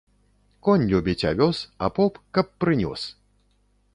Конь любіць авёс, а поп ‒ каб прынёс